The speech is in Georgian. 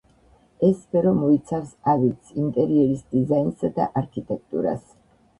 ეს სფერო მოიცავს ავეჯს, ინტერიერის დიზაინსა და არქიტექტურას.